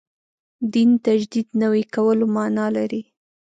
دین تجدید نوي کولو معنا لري.